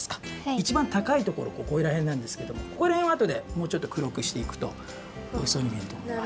いちばんたかいところここらへんなんですけどもここらへんをあとでもうちょっとくろくしていくとおいしそうにみえるとおもいます。